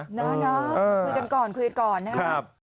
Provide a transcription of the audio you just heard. นะคุยกันก่อนคุยกันก่อนนะครับ